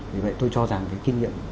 vì vậy tôi cho rằng cái kinh nghiệm